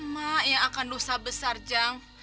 mak yang akan dosa besar jang